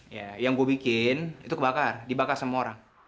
ya yang gue bikin itu kebakar dibakar semua orang